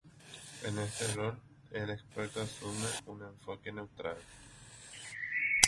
En este rol, el experto asume un enfoque neutral.